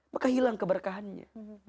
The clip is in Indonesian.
maka hilang keberkahannya